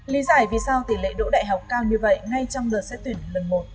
lý giải vì sao tỷ lệ đỗ đại học cao như vậy ngay trong đợt xét tuyển lần một